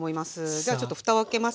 じゃあちょっとふたを開けますね。